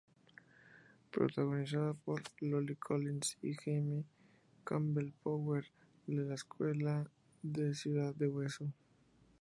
Protagonizada por Lily Collins y Jamie Campbell Bower, la secuela de Ciudad de hueso.